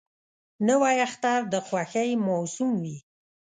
نوی اختر د خوښۍ موسم وي